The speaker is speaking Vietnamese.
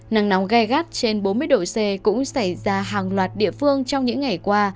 nắng nóng gai gắt trên bốn mươi độ c cũng xảy ra hàng loạt địa phương trong những ngày qua